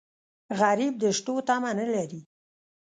غریب د شتو تمه نه لري